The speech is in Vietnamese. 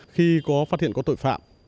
khi có phát hiện có tội phạm